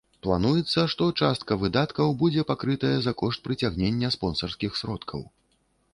Плануецца, што частка выдаткаў будзе пакрытая за кошт прыцягнення спонсарскіх сродкаў.